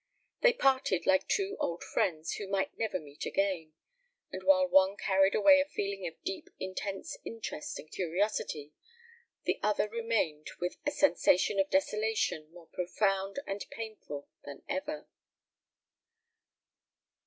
They parted like two old friends who might never meet again, and while one carried away a feeling of deep intense interest and curiosity, the other remained with a sensation of desolation more profound and painful than ever.